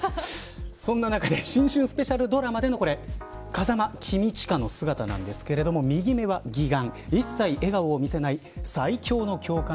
そんな中で新春スペシャルドラマでの風間公親の姿なんですけれども右目は義眼。